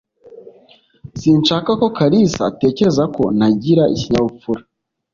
Sinshaka ko Kalisa atekereza ko ntagira ikinyabupfura